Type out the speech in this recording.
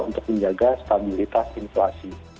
untuk menjaga stabilitas inflasi